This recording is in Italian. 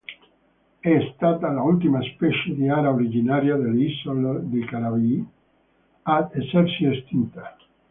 È stata l'ultima specie di ara originaria delle isole dei Caraibi ad essersi estinta.